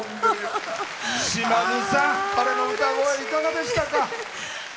島津さん、彼の歌声どうでしたか。